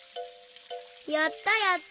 やったやった！